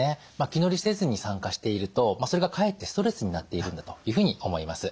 気乗りせずに参加しているとそれがかえってストレスになっているんだというふうに思います。